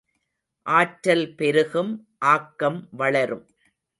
ஆற்றல் பெருகும் ஆக்கம் வளரும்.